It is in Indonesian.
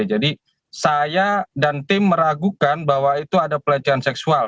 jadi saya dan tim meragukan bahwa itu ada pelecehan seksual